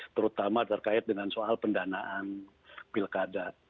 terutama terkait dengan soal pendanaan pilkada